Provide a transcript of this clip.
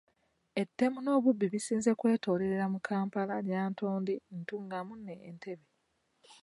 Ettemu n'obubbi bisinze kweyolekera mu Kampala, Lyantonde, Ntungamo ne Entebbe.